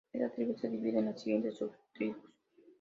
Esta tribu de divide en las siguientes subtribus.